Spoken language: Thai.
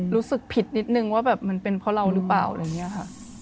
รู้สึกผิดนิดนึงว่าแบบมันเป็นเพราะเราหรือเปล่าอะไรอย่างนี้ค่ะ